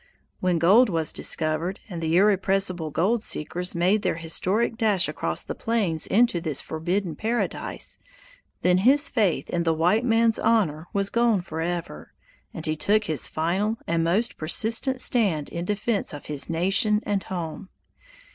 When gold was discovered and the irrepressible gold seekers made their historic dash across the plains into this forbidden paradise, then his faith in the white man's honor was gone forever, and he took his final and most persistent stand in defense of his nation and home.